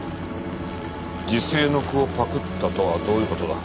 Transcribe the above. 辞世の句をパクったとはどういう事だ？